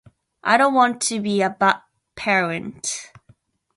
I don't want to be a bad parent.